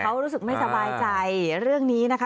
เขารู้สึกไม่สบายใจเรื่องนี้นะคะ